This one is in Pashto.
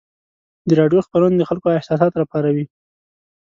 د راډیو خپرونې د خلکو احساسات راپاروي.